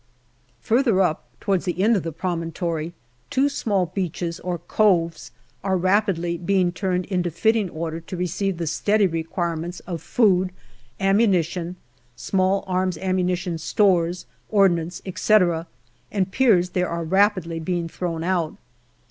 Further up, towards the end of the promontory, two small beaches or coves are rapidly being turned into fitting order to receive the steady requirements of food, ammu nition, S.A.A. stores, ordnance, etc., and piers there are rapidly being thrown out.